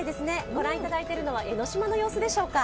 御覧いただいているのは江の島の様子でしょうか。